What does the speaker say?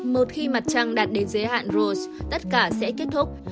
một khi mặt trăng đạt đến giới hạn russ tất cả sẽ kết thúc